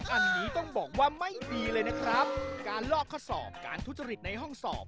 อันนี้ต้องบอกว่าไม่ดีเลยนะครับการลอกข้อสอบการทุจริตในห้องสอบ